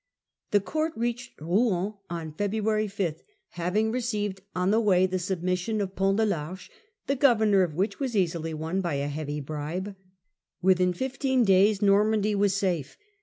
The court reached Rouen on February 5, having re ceived on the way the submission of Pont de PArche, the The court in go vernor of which was easily won by a heavy Normandy, bribe. Within fifteen days Normandy was safe.